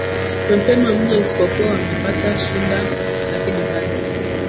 mapema mno isipokuwa wamepata shinda lakini bado